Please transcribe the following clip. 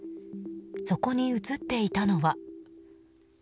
そこに映っていたのは。